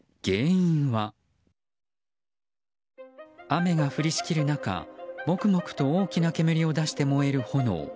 雨が降りしきる中もくもくと大きな煙を出して燃える炎。